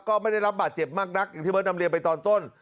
ก็ไม่ได้รับบาดเจ็บมากนักอย่างที่เบิร์ดนำเรียนไปตอนต้น